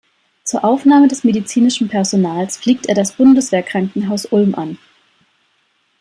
Zur Aufnahme des medizinischen Personals fliegt er das Bundeswehrkrankenhaus Ulm an.